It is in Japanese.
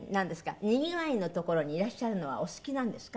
にぎわいの所にいらっしゃるのはお好きなんですか？